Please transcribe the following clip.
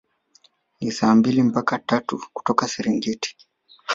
Ni saa mbili mpaka tatu kutoka Serengeti